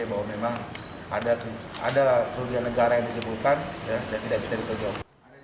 bahwa memang ada kerugian negara yang ditimbulkan dan tidak bisa ditajau